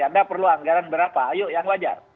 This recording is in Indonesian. anda perlu anggaran berapa ayo yang wajar